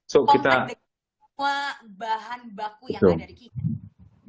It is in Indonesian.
contactless semua bahan baku yang ada di kitchen